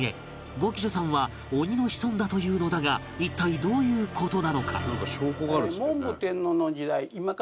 五鬼助さんは鬼の子孫だと言うのだが一体どういう事なのか？